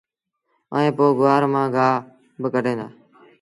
ائيٚݩ پو گُوآر مآݩ گآه باڪڍين دآ۔